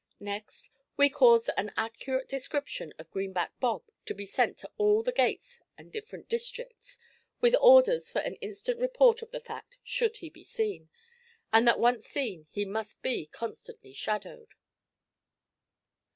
Next, we caused an accurate description of Greenback Bob to be sent to all the gates and different districts, with orders for an instant report of the fact should he be seen, and that once seen he must be constantly shadowed.